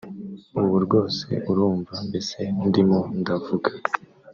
ubu rwose urumva mbese ndimo ndavuga